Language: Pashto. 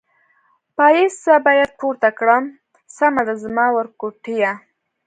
پایڅه باید پورته کړم، سمه ده زما ورکوټیه.